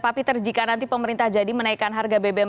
pak peter jika nanti pemerintah jadi menaikkan harga bbm